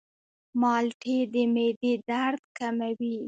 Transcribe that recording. مالټې د معدې درد کموي.